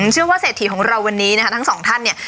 เชื่อว่าเศรษฐีของเราวันนี้นะคะทั้งสองท่านเนี่ย